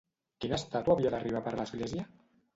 Quina estàtua havia d'arribar per l'església?